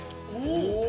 お。